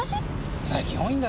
最近多いんだ。